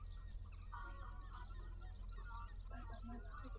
台中市立大墩文化中心是位于台中市西区的公立艺文场所。